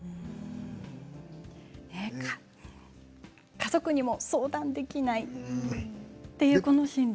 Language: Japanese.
家族にも相談できないという心理。